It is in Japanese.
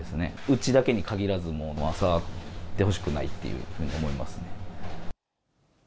うちだけに限らず、触ってほしくないというふうに思いますね。